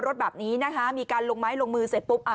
รถแบบนี้นะคะมีการลงไม้ลงมือเสร็จปุ๊บ